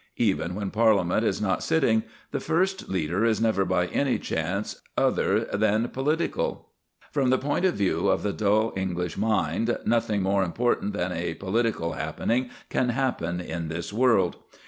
Even when Parliament is not sitting, the first leader is never by any chance other than political. From the point of view of the dull English mind, nothing more important than a political happening can happen in this world.